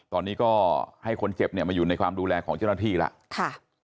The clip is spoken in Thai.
ตอนนี้ก็ให้คนเจ็บเนี่ยมาอยู่ในความดูแลของเจ้าหน้าที่แล้ว